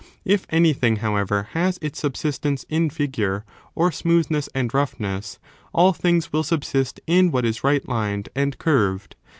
If anything, however, has its subsistence in figure, or smoothness and roughness, all things will subsist in what is right lined and curved.